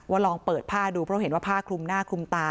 ลองเปิดผ้าดูเพราะเห็นว่าผ้าคลุมหน้าคลุมตา